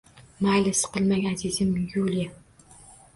Mayli, siqilmang, azizam Yuliya.